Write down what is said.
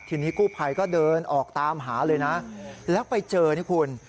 ทีนี้กู้ภัยก็เดินออกตามหาเลยนะแล้วไปเจอนี่คุณ